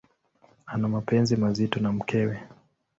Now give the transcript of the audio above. Ana mapenzi mazito na mkewe.